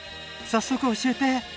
早速教えて。